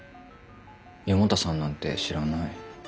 四方田さんなんて知らない。